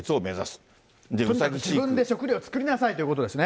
とにかく自分で食料を作りなさいということですね。